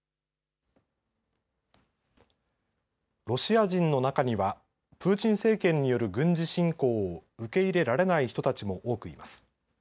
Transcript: ロシア人の中にはプーチン政権による軍事侵攻を受け入れられない人たちも多くいます。